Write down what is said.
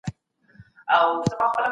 ته ولې کار کوې؟